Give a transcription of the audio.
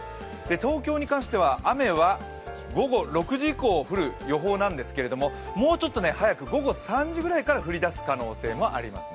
東京に関しては雨は午後６時以降降る予定ですが、もうちょっと早く午後３時ぐらいから降り出す可能性もあります。